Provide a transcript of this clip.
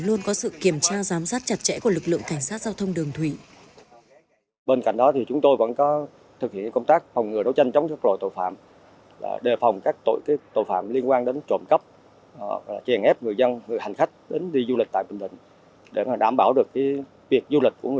luôn có sự kiểm tra giám sát chặt chẽ của lực lượng cảnh sát giao thông đường thủy